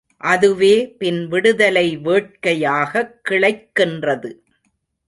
அதுவே பின் விடுதலை வேட்கையாகக் கிளைக்கின்றது.